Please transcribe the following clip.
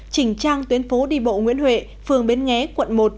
chỉnh trang tuyến phố đi bộ nguyễn huệ phường bến nghé quận một